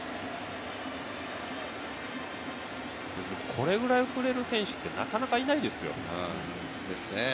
これぐらい振れる選手ってなかなかいないですよ。